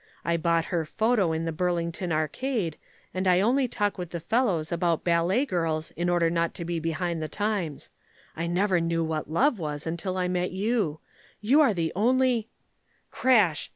I bought her photo in the Burlington arcade and I only talk with the fellows about ballet girls in order, not to be behind the times. I never knew what love was till I met you. You are the only " Crash!